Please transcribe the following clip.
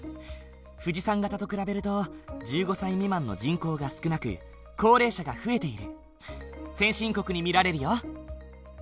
富士山型と比べると１５歳未満の人口が少なく高齢者が増えている。